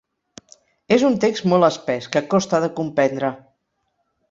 És un text molt espès, que costa de comprendre.